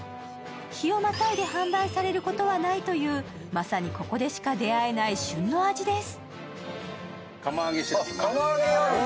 日をまたいで販売されることはないというまさにここでしか出会えない旬の味です。